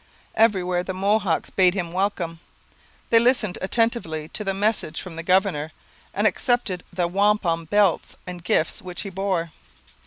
Everywhere the Mohawks bade him welcome. They listened attentively to the message from the governor, and accepted the wampum belts and gifts which he bore.